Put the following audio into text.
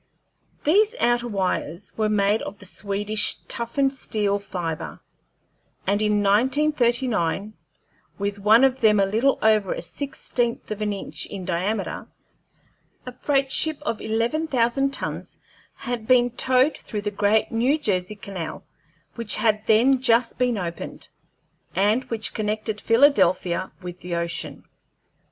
These outer wires were made of the Swedish toughened steel fibre, and in 1939, with one of them a little over a sixteenth of an inch in diameter, a freight ship of eleven thousand tons had been towed through the Great New Jersey Canal, which had then just been opened, and which connected Philadelphia with the ocean.